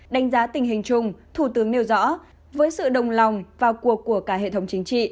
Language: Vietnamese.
đánh giá tình hình chung thủ tướng nêu rõ với sự đồng lòng vào cuộc của cả hệ thống chính trị